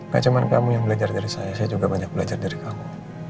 gak cuma kamu yang belajar dari saya saya juga banyak belajar dari kamu